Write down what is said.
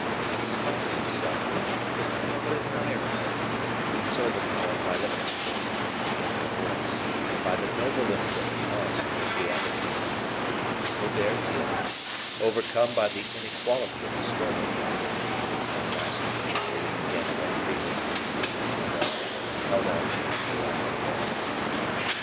In spite of himself the king could not but admire her; he was overpowered by the passionate energy of her voice; by the nobleness of the cause she advocated. Colbert yielded, overcome by the inequality of the struggle. At last the king breathed again more freely, shook his head, and held out his hand to La Valliere.